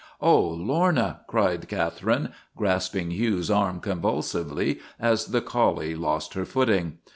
"Oh, Lorna!" cried Catherine, grasping Hugh's arm convulsively, as the collie lost her footing.